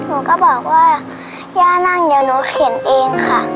หนูก็บอกว่าย่านั่งเดี๋ยวหนูเขียนเองค่ะ